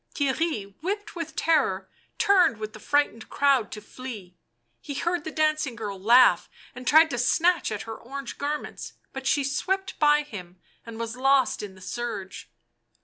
Theirry, whipped with terror, turned with the frightened crowd to flee ... he heard the dancing girl laugh, and tried to snatch at her orange garments, but she swept by him and was lost in the surge.